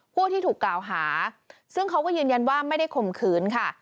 ผู้ที่ถูกกล่าวหาซึ่งเขาก็ยืนยันว่าไม่ได้ข่มขืนค่ะ